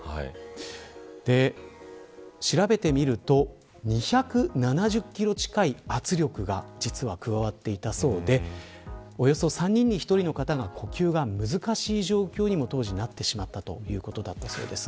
調べてみると２７０キロ近い圧力が実は加わっていたそうでおよそ３人に１人の方が呼吸が難しい状況に当時、なってしまったということだそうです。